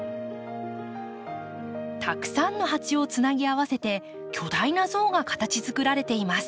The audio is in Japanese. たくさんのハチをつなぎ合わせて巨大な像が形作られています。